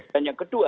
dan yang kedua